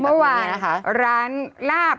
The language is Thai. สวัสดีครับ